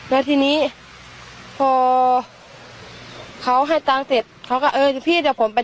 แล้วทีนี้พอเขาให้ตังค์เสร็จเขาก็เออพี่เดี๋ยวผมไป